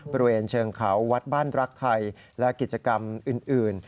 บริเวณเชิงเขาวัดบ้านรักไทยและกิจกรรมอื่น